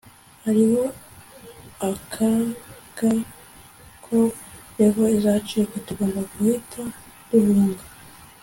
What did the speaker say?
hariho akaga ko levee izacika. tugomba guhita duhunga